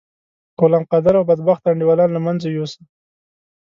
غلام قادر او بدبخته انډيوالان له منځه یوسی.